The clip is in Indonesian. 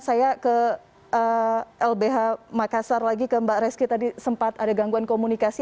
saya ke lbh makassar lagi ke mbak reski tadi sempat ada gangguan komunikasi